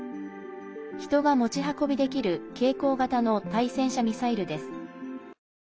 人が持ち運びできる携行型の対戦車ミサイルです。